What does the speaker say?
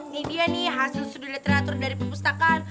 nih dia nih hasil sudut literatur dari pembustakaan